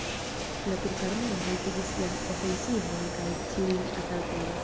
La turka armeo haltigis sian ofensivon kaj ĉiujn atakojn.